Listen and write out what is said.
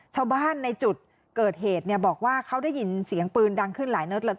ชาวบ้านในจุดเกิดเหตุเนี่ยบอกว่าเขาได้ยินเสียงปืนดังขึ้นหลายนัดเลย